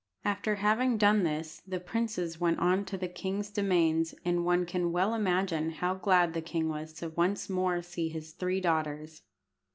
After having done this, the princes went on to the king's demesnes, and one can well imagine how glad the king was to once more see his three daughters.